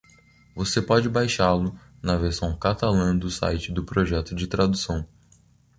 Você pode baixá-lo na versão catalã do site do projeto de tradução.